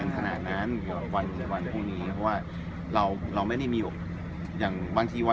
สำหรับวันวันพรุ่งนี้